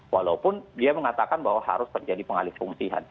walaupun dia mengatakan bahwa harus menjadi pengalih fungsi